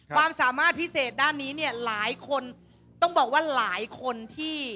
ความสามารถพิเศษด้านนี้เนี่ยหลายคนต้องบอกว่าหลายคนที่